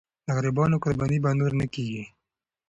د غریبانو قرباني به نور نه کېږي.